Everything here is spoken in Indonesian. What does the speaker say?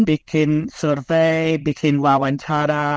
bikin survei bikin wawancara